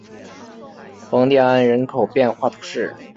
丰蒂安人口变化图示